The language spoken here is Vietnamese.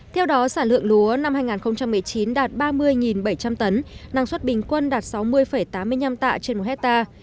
theo đó sản lượng lúa năm hai nghìn một mươi chín đạt ba mươi bảy trăm linh tấn năng suất bình quân đạt sáu mươi tám mươi năm tạ trên một hectare